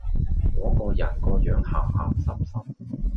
果個人個樣鹹鹹濕濕